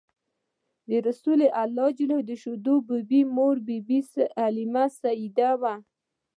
رسول الله ﷺ د شیدو مور بی بی حلیمه سعدیه وه.